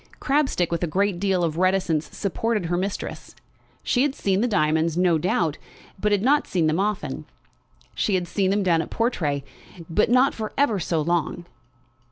Crabstick, with a good deal of reticence, supported her mistress. She had seen the diamonds, no doubt, but had not seen them often. She had seen them down at Portray, but not for ever so long.